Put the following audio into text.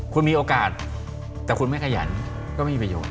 คุณมีโอกาสแต่คุณไม่ขยันก็ไม่มีประโยชน